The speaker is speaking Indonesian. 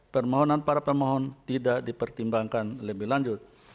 permohonan para pemohon tidak dipertimbangkan lebih lanjut